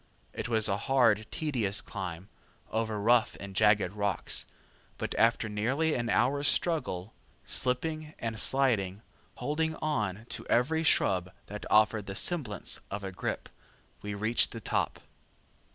It was a hard, tedious climb, over rough and jagged rocks, but after nearly an hour's struggle, slipping and sliding, holding on to every shrub that offered the semblance of a grip, we reached the top.